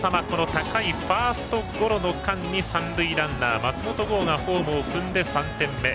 高いファーストゴロの間に三塁ランナーの松本剛がホームを踏んで３点目。